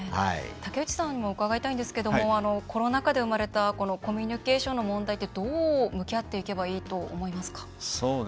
竹内さんにも伺いたいんですけどもコロナ禍で生まれたコミュニケーションの問題ってどう向き合っていけばいいと思いますか？